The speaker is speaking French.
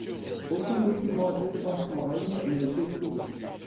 Aucun document attestant son règne n'a été trouvé.